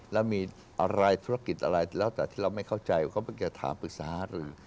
แล้วมีอะไรธุรกิจอะไรแล้วแต่ที่เราไม่เข้าใจเขาเพิ่งจะถามปรึกษาหารือ